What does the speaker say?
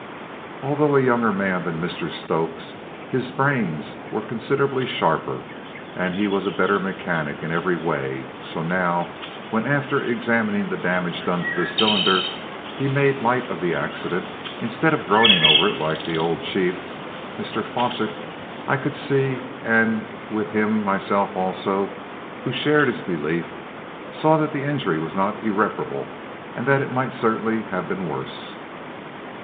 Although a younger man than Mr Stokes, his brains were considerably sharper and he was a better mechanic in every way; so now, when, after examining the damage done to the cylinder, he made light of the accident, instead of groaning over it like the old chief. Mr Fosset, I could see, and with him myself also, who shared his belief, saw that the injury was not irreparable and that it might certainly have been worse.